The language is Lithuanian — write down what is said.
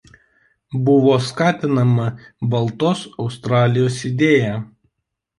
Buvo skatinama baltos Australijos idėja.